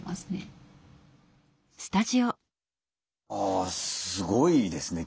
あすごいですね。